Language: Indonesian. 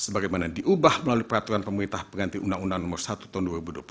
sebagaimana diubah melalui peraturan pemerintah pengganti undang undang nomor satu tahun dua ribu dua puluh satu